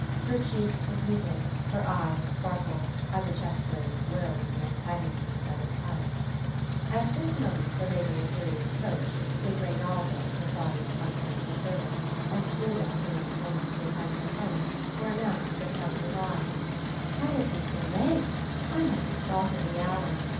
Her cheeks were heated, her eyes sparkled, as a chess player's will, when the antagonism is at its height. At this moment the lady Ophelia's coach, with Reynaldo, her father's confidential servant, and Guda, her own woman, to attend her home, were announced as having arrived. " Can it be so late? I had no thought of the hour.